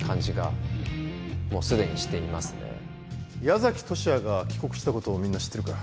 矢崎十志也が帰国したことをみんな知ってるか？